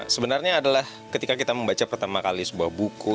sebenarnya adalah ketika kita membaca pertama kali sebuah buku